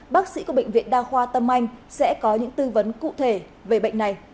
bác sĩ của bệnh viện đa khoa tâm anh sẽ có những tư vấn cụ thể về bệnh này